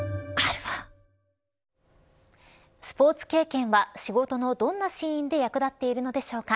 スポーツ経験は、仕事のどんなシーンで役立っているのでしょうか。